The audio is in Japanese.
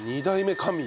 ２代目神。